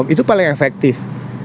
itu paling efektif